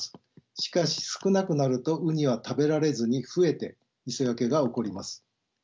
しかし少なくなるとウニは食べられずに増えて磯焼けが起こります。